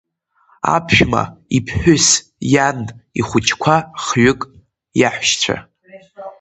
Аԥшәма, иԥҳәыс, иан, ихәыҷқәа хҩык, иаҳәшьа.